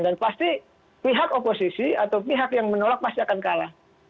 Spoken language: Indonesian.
dan pasti pihak oposisi atau pihak yang menolak pasti akan kalah